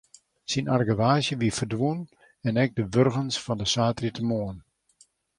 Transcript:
Syn argewaasje wie ferdwûn en ek de wurgens fan de saterdeitemoarn.